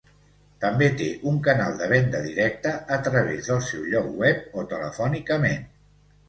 També té un canal de venda directa a través del seu lloc web o telefònicament.